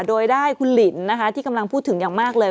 โดยได้คุณหลินนะคะที่กำลังพูดถึงอย่างมากเลย